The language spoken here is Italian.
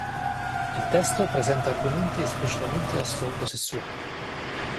Il testo presenta argomenti esplicitamente a sfondo sessuale.